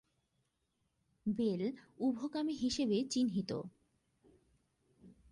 Bell উভকামী হিসাবে চিহ্নিত।